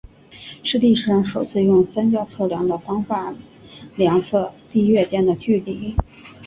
是历史上首次用三角测量的方法量测地月间的距离。